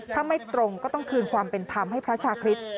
ถ้าไม่ตรงก็ต้องคืนความเป็นธรรมให้พระชาคริสต์